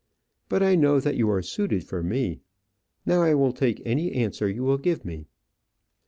But I know that you are suited for me. Now I will take any answer you will give me."